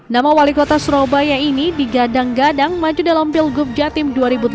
nama wali kota surabaya ini digadang gadang maju dalam pilgub jatim dua ribu tujuh belas